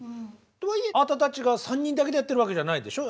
とはいえあんたたちが３人だけでやってるわけじゃないでしょ？